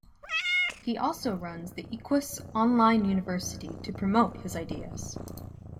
He also runs the "Equus Online University" to promote his ideas.